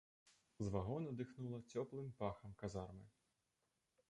З вагона дыхнула цёплым пахам казармы.